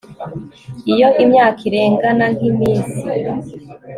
iyo imyaka irengana nkiminsi